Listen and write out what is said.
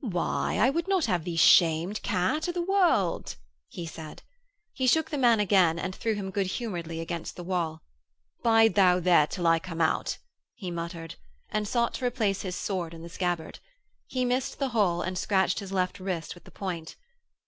'Why, I would not have thee shamed, Kat of the world,' he said. He shook the man again and threw him good humouredly against the wall. 'Bide thou there until I come out,' he muttered, and sought to replace his sword in the scabbard. He missed the hole and scratched his left wrist with the point.